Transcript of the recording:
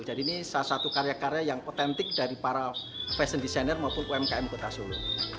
jadi ini salah satu karya karya yang otentik dari para fashion desainer maupun umkm kota solo